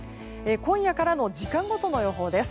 今夜からの時間ごとの予報です。